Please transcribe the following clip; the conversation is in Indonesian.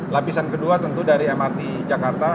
lapisan kedua tentu dari mrt jakarta